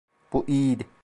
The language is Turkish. Bu iyiydi.